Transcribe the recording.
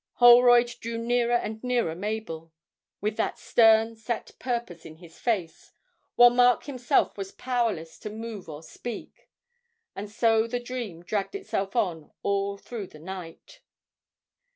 Holroyd drew nearer and nearer Mabel, with that stern set purpose in his face, while Mark himself was powerless to move or speak. And so the dream dragged itself on all through the night.